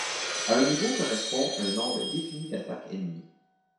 À un niveau correspond un nombre défini d’attaques ennemies.